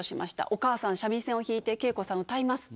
お母さん三味線を弾いて圭子さん歌います。